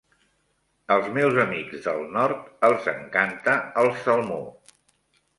Als meus amics del Nord els encanta el salmó.